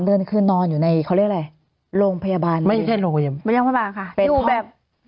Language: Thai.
๓เดือนคืนนอนอยู่ในเขาเรียกอะไรโรงพยาบาลไม่ใช่โรงพยาบาลค่ะเป็นห้อง